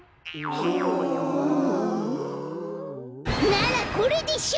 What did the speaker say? ならこれでしょ！